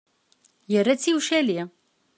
Yerra-tt i ucali.